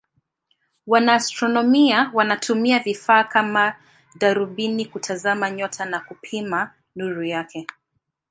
Wanaastronomia wanatumia vifaa kama darubini kutazama nyota na kupima nuru yake.